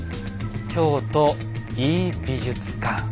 「京都井伊美術館」。